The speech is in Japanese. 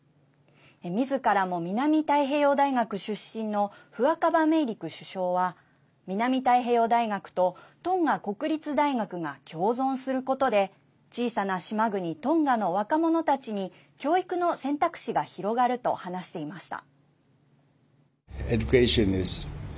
みずからも南太平洋大学出身のフアカバメイリク首相は南太平洋大学とトンガ国立大学が共存することで小さな島国トンガの若者たちに教育の選択肢が広がると話していました。